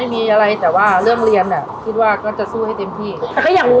มีขอเสนออยากให้แม่หน่อยอ่อนสิทธิ์การเลี้ยงดู